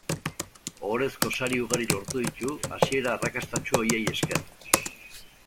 Ohorezko sari ugari lortu ditu hasiera arrakastatsu horiei esker.